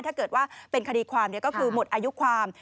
ถ้าเกิดว่าเป็นคดีความก็คือหมดอายุความ